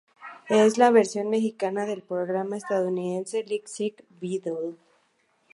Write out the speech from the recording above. Es la versión mexicana del programa estadounidense Lip Sync Battle.